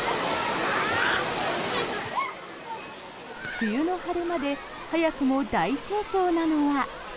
梅雨の晴れ間で早くも大盛況なのが。